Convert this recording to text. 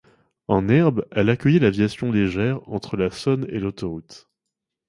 En herbe, elle accueillait l’aviation légère entre la Saône et l’autoroute.